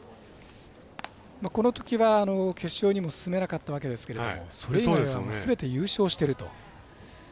このときは決勝にも進めなかったわけですけどそれ以外はすべて優勝してると。